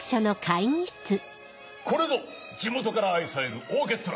これぞ地元から愛されるオーケストラ。